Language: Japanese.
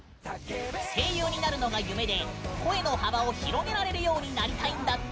声優になるのが夢で声の幅を広げられるようになりたいんだって。